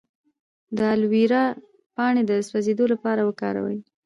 د الوویرا پاڼې د سوځیدو لپاره وکاروئ